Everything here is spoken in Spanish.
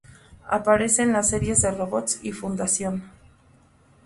Aparece en las series de Robots y Fundación.